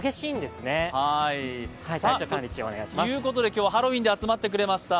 今日はハロウィーンで集まってくれました。